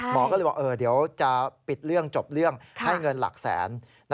หมอก็เลยบอกเดี๋ยวจะปิดเรื่องจบเรื่องให้เงินหลักแสน